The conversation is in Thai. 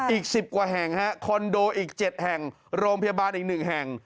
อีก๑๐กว่าแห่งคอนโดอีก๗แห่งโรงพยาบาลอีก๑แห่ง